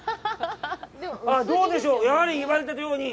どうでしょう。